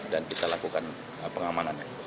dan kita lakukan pengamanannya